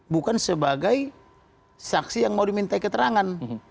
bukan sebagai saksi yang mau diminta keterangan